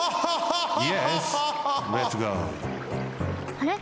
あれ？